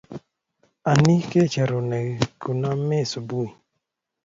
Anii, Kecheru ne kuname subui